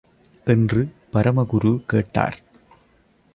என்று பரமகுரு கேட்டார்.